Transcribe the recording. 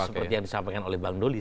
seperti yang disampaikan oleh bang doli